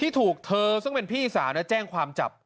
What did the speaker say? ที่ถูกเธอซึ่งเป็นพี่สามเนี่ยแจ้งความจับ